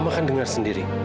ma kan dengar sendiri